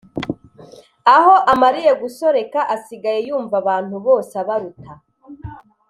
Aho amaliye gusoreka asigaye yumva abantu bose abaruta